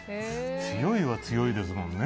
強いは強いですもんね。